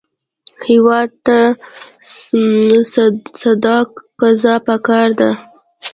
هېواد ته صادق قضا پکار ده